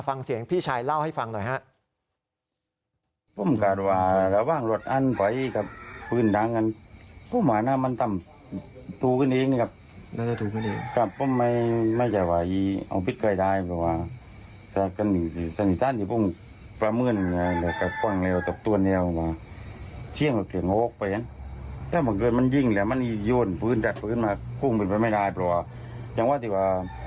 ฟังเสียงพี่ชายเล่าให้ฟังหน่อยครับ